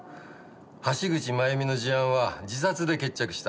橋口まゆみの事案は自殺で決着した。